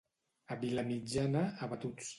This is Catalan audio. A Vilamitjana, abatuts.